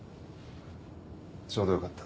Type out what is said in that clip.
ちょうどよかった。